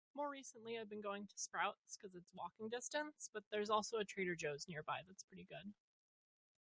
More recently I've been going to Sprouts cuz it's walking distance, but there's also a Trader Joe's nearby that's pretty good.